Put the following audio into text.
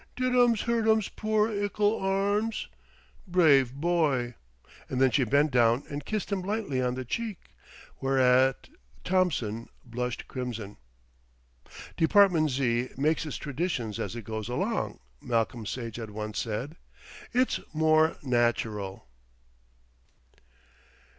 "Did 'ums hurt 'ums poor 'ickle arm. Brave boy!" and then she bent down and kissed him lightly on the cheek, whereat Thompson blushed crimson. "Department Z. makes its traditions as it goes along," Malcolm Sage had once said. "It's more natural."